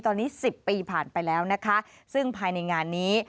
ตอนนี้๑๐ปีผ่านไปแล้วนะคะซึ่งภายในงานนี้